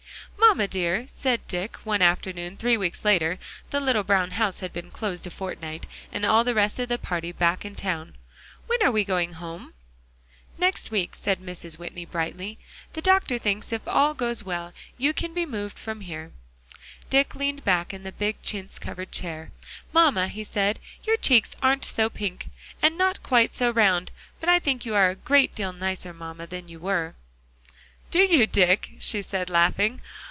"Mamma dear," said Dick, one afternoon three weeks later (the little brown house had been closed a fortnight, and all the rest of the party back in town), "when are we going home?" "Next week," said Mrs. Whitney brightly; "the doctor thinks if all goes well, you can be moved from here." Dick leaned back in the big chintz covered chair. "Mamma," he said, "your cheeks aren't so pink, and not quite so round, but I think you are a great deal nicer mamma than you were." "Do you, Dick?" she said, laughing.